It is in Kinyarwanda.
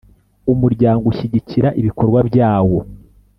umuryango ushyigikira ibikorwa byawo